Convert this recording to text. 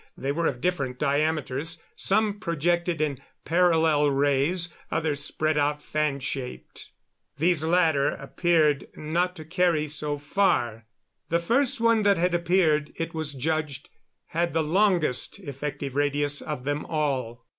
They were of different diameters; some projected in parallel rays, others spread out fan shaped. These latter appeared not to carry so far. The first one that had appeared, it was judged, had the longest effective radius of them all.